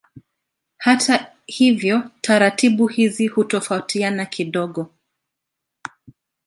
Hata hivyo taratibu hizi hutofautiana kidogo.